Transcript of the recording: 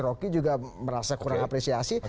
rocky juga merasa kurang apresiasi